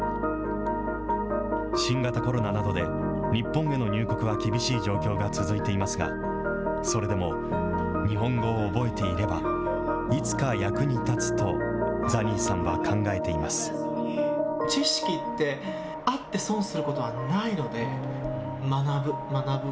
新型コロナなどで、日本への入国は厳しい状況が続いていますが、それでも、日本語を覚えていれば、いつか役に立つとザニーさんは考えています。